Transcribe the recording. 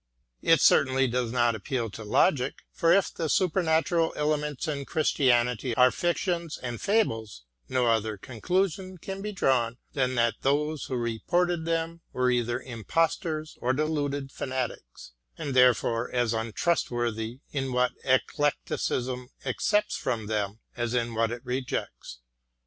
It certainly does not appeal to logic, for if the supernatural elements in Christianity are fictions and fables, no other conclusion can be drawn than that those who reported them were either impostors or deluded fanatics, and there fore as untrustworthy in what Eclecticism accepts from them as in what it rejects.